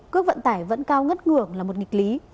cước vận tải vẫn cao ngất ngửa là một nghịch lý